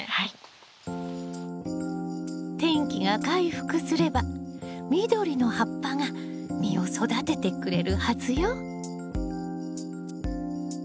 天気が回復すれば緑の葉っぱが実を育ててくれるはずよ。